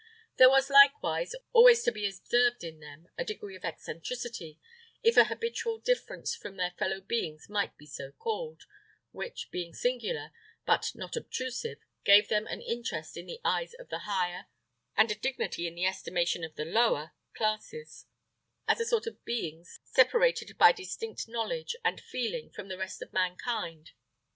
There was likewise always to be observed in them a degree of eccentricity, if a habitual difference from their fellow beings might be so called, which, being singular, but not obtrusive, gave them an interest in the eyes of the higher, and a dignity in the estimation of the lower classes, as a sort of beings separated by distinct knowledge and feeling from the rest of mankind.